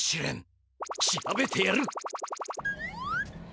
調べてやる！